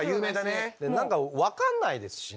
何か分かんないですしね。